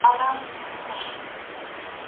اضافي تقاضا مارکیټ ته خوځښت ورکوي.